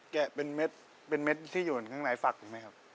แกะเป็นเม็ดเป็นเม็ดที่อยู่ข้างในฝักถูกไหมครับ